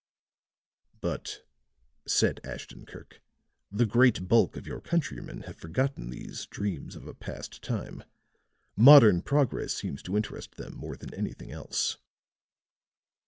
"But," said Ashton Kirk, "the great bulk of your countrymen have forgotten these dreams of a past time. Modern progress seems to interest them more than anything else."